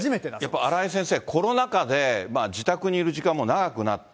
やっぱ、荒井先生、コロナ禍で、自宅にいる時間も長くなった。